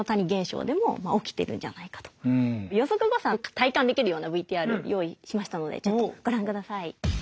予測誤差を体感できるようなＶＴＲを用意しましたのでちょっとご覧ください。